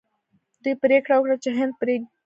دوی پریکړه وکړه چې هند پریږدي.